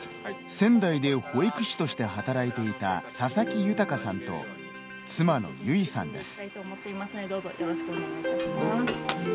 仙台で保育士として働いていた佐々木尭さんと妻の由惟さんです。